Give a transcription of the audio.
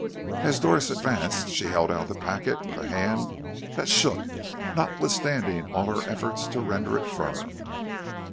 As Doris advanced she held out the packet with a hand that shook notwithstanding all her efforts to render it firm.